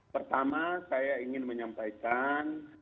pertama saya ingin menyampaikan